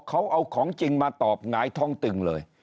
เขาเอาของจริงมาตอบหงายท้องตึงเลย